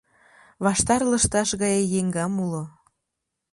Ваштар лышташ гай еҥгам уло